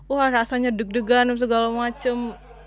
wah rasanya deg degan segala macem